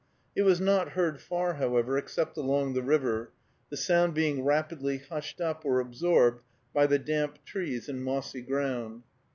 It was not heard far, however, except along the river, the sound being rapidly hushed up or absorbed by the damp trees and mossy ground.